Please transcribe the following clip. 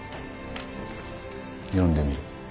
読んでみろ。